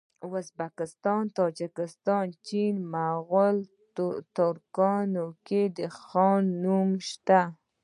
ازبکستان تاجکستان چین مغول ترکانو کي د خان نومونه سته